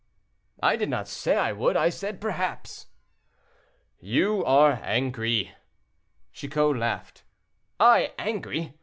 "I did not say I would; I said, perhaps." "You are angry." Chicot laughed. "I angry!"